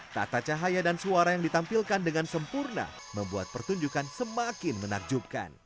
tata cahaya dan suara yang ditampilkan dengan sempurna membuat pertunjukan semakin menakjubkan